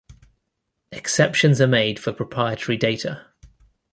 Exceptions are made for proprietary data.